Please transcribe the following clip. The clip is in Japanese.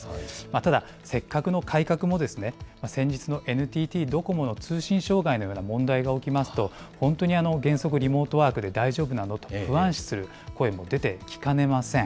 ただ、せっかくの改革も、先日のＮＴＴドコモの通信障害のような問題が起きますと、本当に原則リモートワークで大丈夫なの？と不安視する声も出てきかねません。